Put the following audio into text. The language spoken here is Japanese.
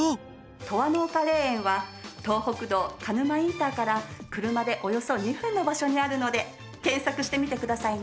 とわの丘霊園は東北道鹿沼インターから車でおよそ２分の場所にあるので検索してみてくださいね。